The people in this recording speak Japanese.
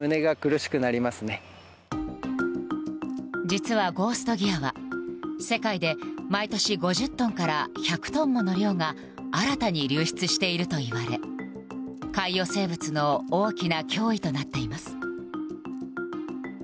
実は、ゴースト・ギアは世界で毎年５０トンから１００トンもの量が新たに流出しているといわれ海洋生物の大きな脅威となっています。